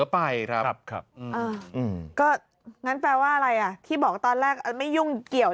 ไปครับครับก็งั้นแปลว่าอะไรอ่ะที่บอกตอนแรกไม่ยุ่งเกี่ยว